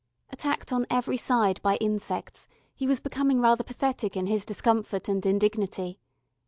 Attacked on every side by insects, he was becoming rather pathetic in his discomfort and indignity.